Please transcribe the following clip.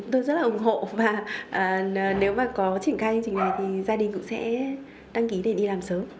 tôi rất là ủng hộ và nếu mà có triển khai hành trình này thì gia đình cũng sẽ đăng ký để đi làm sớm